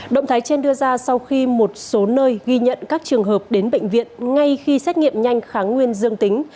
động thái trên đưa ra sau khi một số nơi ghi nhận các trường hợp đến bệnh viện ngay khi xét nghiệm nhanh kháng nguyên dương tính